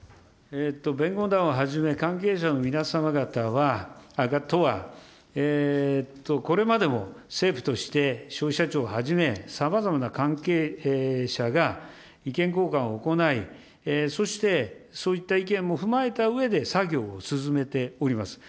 弁護団をはじめ関係者の皆様方とは、これまでも政府として、消費者庁をはじめ、さまざまな関係者が意見交換を行い、そして、そういった意見も踏まえたうえで、作業を進めております。